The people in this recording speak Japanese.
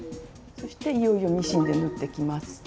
そしていよいよミシンで縫っていきます。